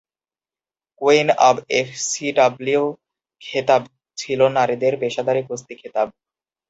Queen of FCW খেতাব ছিল নারীদের পেশাদারি কুস্তি খেতাব।